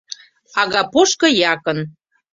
Агапошко якын